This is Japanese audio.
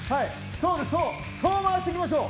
そうです、そのままいきましょう。